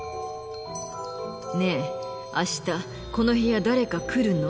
ねえあしたこの部屋誰か来るの？